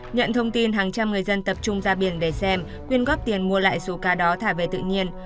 nhận thông tin hàng trăm người dân tập trung ra biển để xem quyên góp tiền mua lại số cá đó thả về tự nhiên